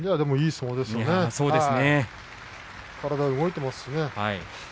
体が動いています。